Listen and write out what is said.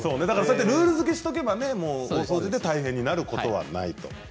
ルールづけしておけば大掃除で大変になることはないと。